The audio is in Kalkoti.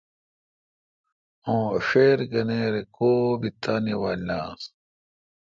اوں ݭیر گنیر کو بی تانے وال ن آس۔